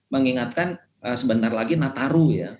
mengingatkan sebentar lagi nataru ya